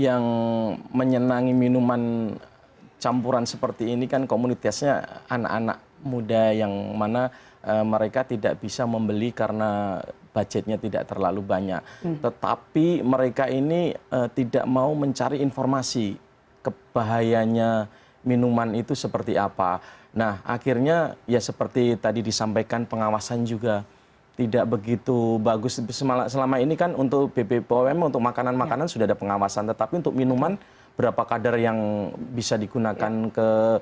yang menyenangi minuman campuran seperti ini ya itu adalah yang menyenangi minuman campuran seperti ini kan komunitasnya anak anak muda yang mana mereka tidak bisa membeli karena budgetnya tidak terlalu banyak tetapi mereka ini tidak mau mencari informasi kebahayanya minuman itu seperti apa nah akhirnya ya seperti tadi disampaikan pengawasan juga tidak begitu bagus selama ini kan untuk bpwm untuk makanan makanan sudah ada pengawasan tetapi untuk minuman berapa kadar yang bisa digunakan ke bppom